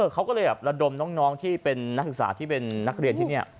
เขาก็เลยแบบระดมน้องที่เป็นนักศึกษาที่เป็นนักเรียนที่นี่